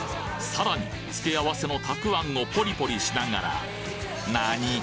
さらに付け合わせのたくあんをポリポリしながらなに？